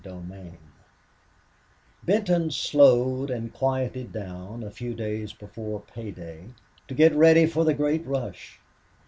21 Benton slowed and quieted down a few days before pay day, to get ready for the great rush.